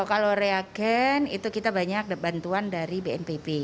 kalau reagen itu kita banyak bantuan dari bnpb